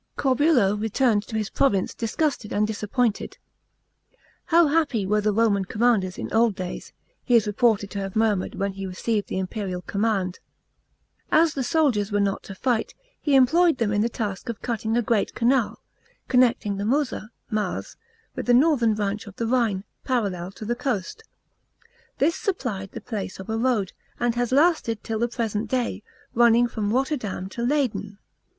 Corbulo returned to his province disgusted and disappointed. " How happy were the Roman commanders in old days," he is reported to have murmured when he received the imperial com mand. As the soldiers were not to fight, he employed them in the task of cutting a great canal, connecting the Mosa (Maas) with the northern branch of the Rhine, parallel to the coast. This supplied the place of a road, and has lasted till the present day, running from Rotterdam to Leiden.